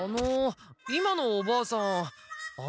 あのおばあさん